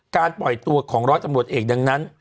ปล่อยตัวของร้อยตำรวจเอกดังนั้น